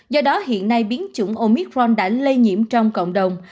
do đó hiện nay biến chủng omitforn đã lây nhiễm trong cộng đồng